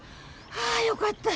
ああよかった。